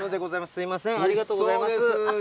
すみません、ありがとうございまおいしそうです。